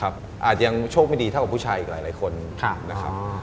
อาจจะยังโชคไม่ดีเท่าว่าผู้ชายหลายคนนะครับ